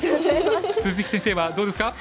鈴木先生はどうですか？